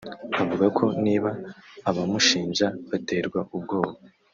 avuga ko niba abamushinja baterwa ubwoba